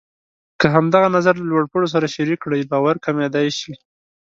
که همدغه نظر له لوړ پوړو سره شریک کړئ، باور کمېدای شي.